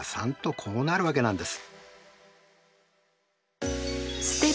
こうなるわけなんです。